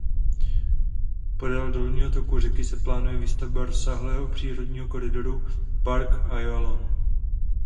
Podél dolní toku řeky se plánuje výstavba rozsáhlého přírodního koridoru Park Ajalon.